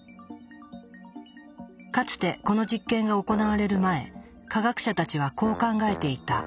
かつてこの実験が行われる前科学者たちはこう考えていた。